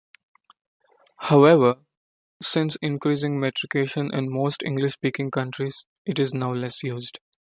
However, since increasing metrication in most English-speaking countries, it is now less used.